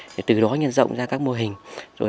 thì từ đó nhân rộng ra các mô hình rồi